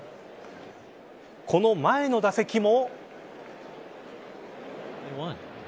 この前の打席も。